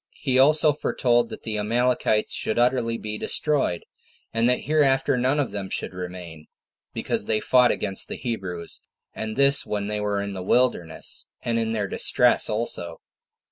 He also foretold that the Amalekites should utterly be destroyed; and that hereafter none of them should remain, because they fought against the Hebrews, and this when they were in the wilderness, and in their distress also.